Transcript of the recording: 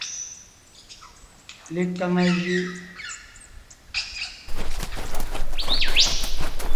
Lekaŋa jʉʼ.